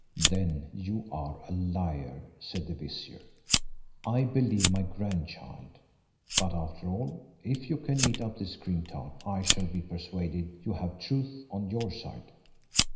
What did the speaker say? "Then you are a liar," said the vizier "I believe my grandchild; but after all, if you can eat up this cream tart I shall be persuaded you have truth on your side."